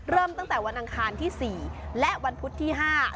เริ่มตั้งแต่วันอังคารที่๔และวันพุธที่๕